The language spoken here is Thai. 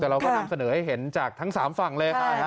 แต่เราก็นำเสนอให้เห็นจากทั้ง๓ฝั่งเลย